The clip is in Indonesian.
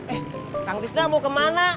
eh kang bisda mau kemana